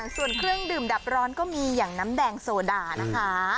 ส่วนเครื่องดื่มดับร้อนก็มีอย่างน้ำแดงโซดานะคะ